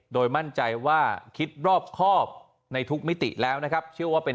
โดยมั่นใจว่าคิดรอบครอบในทุกมิติแล้วนะครับเชื่อว่าเป็น